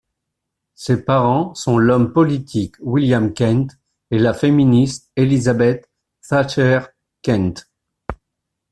Ses parents sont l'homme politique William Kent et la féministe Elizabeth Thacher Kent.